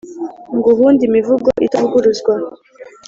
Nguhunde imivugo itavuguruzwa?